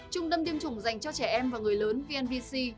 trung tâm tiêm chủng dành cho trẻ em và người lớn vnvc